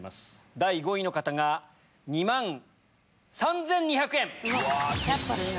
第５位の方が２万３２００円。